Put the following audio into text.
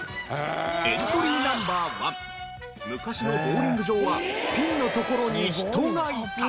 エントリーナンバー１昔のボウリング場はピンの所に人がいた。